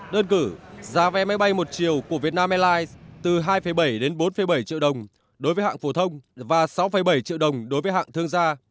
đơn cử giá vé máy bay một chiều của vietnam airlines từ hai bảy đến bốn bảy triệu đồng đối với hãng phổ thông và sáu bảy triệu đồng đối với hãng thương gia